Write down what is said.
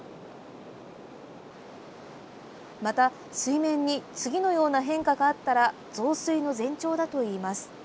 また水面に次のような変化があったら増水の前兆だといいます。